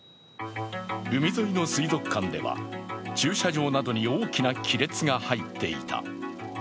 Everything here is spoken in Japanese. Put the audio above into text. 海沿いの水族館では駐車場などに大きな亀裂が入っていた。